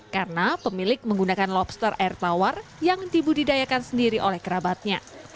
karena pemilik menggunakan lobster air tawar yang tibu didayakan sendiri oleh kerabatnya